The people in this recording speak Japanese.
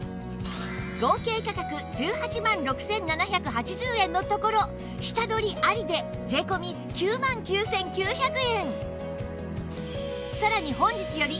合計価格１８万６７８０円のところ下取りありで税込９万９９００円